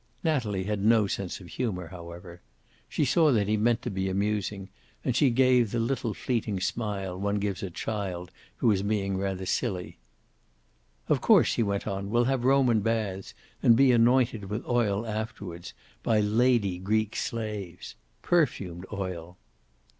Natalie had no sense of humor, however. She saw that he meant to be amusing, and she gave the little fleeting smile one gives to a child who is being rather silly. "Of course," he went on, "we'll have Roman baths, and be anointed with oil afterwards by lady Greek slaves. Perfumed oil."